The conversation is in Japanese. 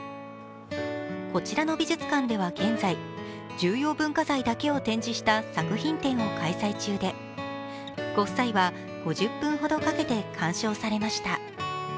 こちらの美術館では現在重要文化財だけを展示した作品展を開催中でご夫妻は５０分ほどかけて鑑賞されました。